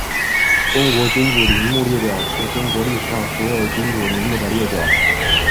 中国君主陵墓列表是中国历史上所有的君主陵墓的列表。